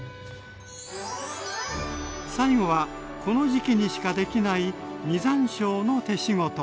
最後はこの時季にしかできない実山椒の手仕事。